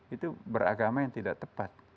itu beragama yang tidak tepat